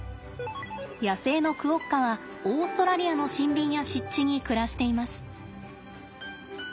野生のクオッカはオーストラリアの森林や湿地に暮らしています。